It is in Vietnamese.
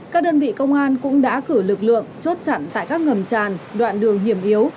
các đơn vị công an cũng đã cử lực lượng chốt chặn tại các ngầm tràn đoạn đường hiểm yếu